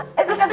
eh duduk aja